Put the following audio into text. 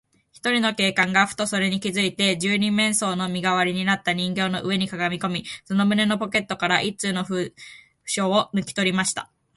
ひとりの警官が、ふとそれに気づいて、二十面相の身がわりになった人形の上にかがみこみ、その胸のポケットから一通の封書をぬきとりました。